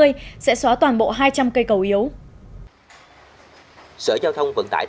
sở giao thông vận tải thành phố hồ chí minh đã giả soát toàn bộ hệ thống cầu đường bộ trên địa bàn